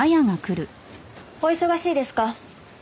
お忙しいですか？